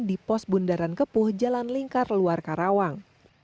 di pos bundaran kepuh jalan lingkar luar karawang